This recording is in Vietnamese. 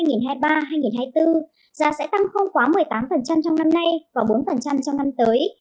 giá sẽ tăng không quá một mươi tám trong năm nay và bốn trong năm tới